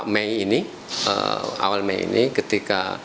mungkin awal mei ini ketika